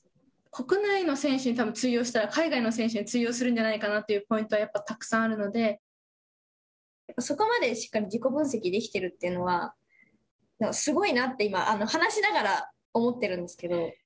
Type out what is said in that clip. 国内の選手にたぶん通用したら、海外の選手に通用するんじゃないかなというポイントはそこまでしっかり自己分析できているというのは、すごいなって今話しながら思っているんですけれども。